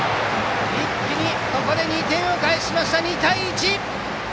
一気にここで２点返して２対１！